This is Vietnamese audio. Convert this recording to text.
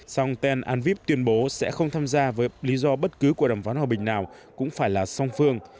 song ten anviv tuyên bố sẽ không tham gia với lý do bất cứ cuộc đàm phán hòa bình nào cũng phải là song phương